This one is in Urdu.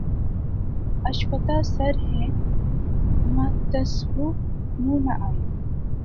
آشفتہ سر ہیں محتسبو منہ نہ آئیو